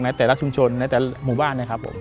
ในแต่ละชุมชนในแต่ละหมู่บ้าน